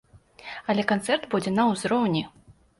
Але канцэрт будзе на ўзроўні.